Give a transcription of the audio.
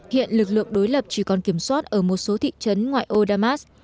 hiện lực lượng đối lập chỉ còn kiểm soát ở một số thị trấn ngoại ô đam mát